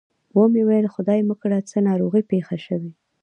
و مې ویل خدای مه کړه څه ناروغي پېښه شوې.